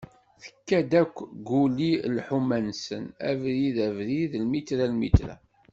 Tekka-d akk Guli lḥuma-nsen, abrid abrid, lmitra lmitra.